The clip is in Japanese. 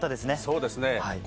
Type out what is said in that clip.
そうですね。